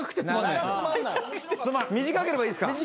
短ければいいっすか？